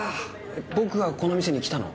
僕がこの店に来たの？